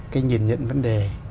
cái nhìn nhận vấn đề